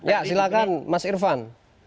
ya silakan mas irfan